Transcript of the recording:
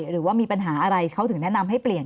หรือว่ามีปัญหาอะไรเขาถึงแนะนำให้เปลี่ยน